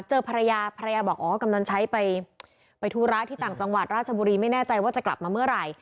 เจอภรรยาภรรยาบอกอ๋อกำลังใช้ไปธุระที่ต่างจังหวัดราชบุรีไม่แน่ใจว่าจะกลับมาเมื่อไหร่